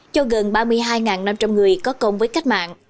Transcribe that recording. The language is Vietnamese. cho gần ba mươi hai năm trăm linh người có công với cách mạng